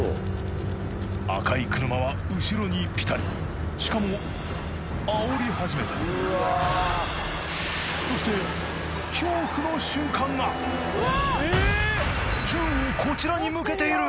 赤い車は後ろにピタリしかもあおり始めたそして銃をこちらに向けている！